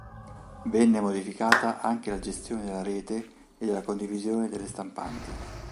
Venne modificata anche la gestione della rete e della condivisione delle stampanti.